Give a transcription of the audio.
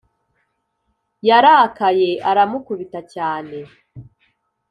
Yarakaye aramukubita cyane